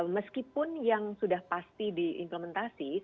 meskipun yang sudah pasti diimplementasi